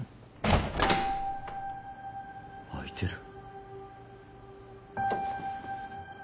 開いてる。